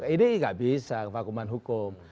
ini nggak bisa kevakuman hukum